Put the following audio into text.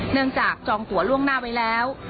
เนื่องจากจองหัวล่วงหน้าไว้แล้ว